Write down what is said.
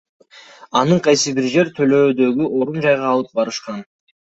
Аны кайсы бир жер төлөөдөгү орун жайга алып барышкан.